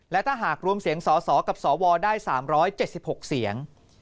และถ้าหากรวมเสียงสสกับสวได้๓๗๖เสียง